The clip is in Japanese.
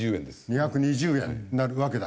２２０円になるわけだ。